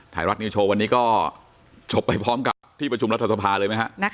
ไทยรัฐนิวโชว์วันนี้ก็จบไปพร้อมกับที่ประชุมรัฐสภาเลยไหมฮะ